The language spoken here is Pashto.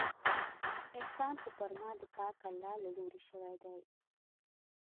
احسان خو پر ما د پاک الله له لورې شوى دى.